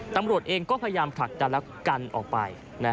ตำรวจเองก็พยายามผลักดันและกันออกไป